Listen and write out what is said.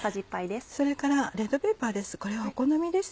それからレッドペッパーです